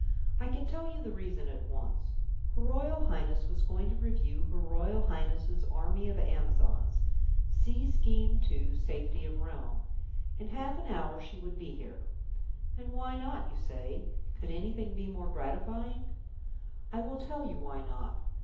I can tell you the reason at once. Her Royal Highness was going to review her Royal Highness's Army of Amazons (see Scheme II, Safety of Realm). In half an hour she would be here. And why not? you say. Could anything be more gratifying? I will tell you why not.